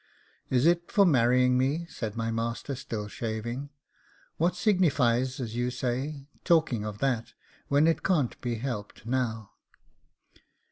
'Is it for marrying me?' said my master, still shaving. 'What signifies, as you say, talking of that, when it can't be help'd now?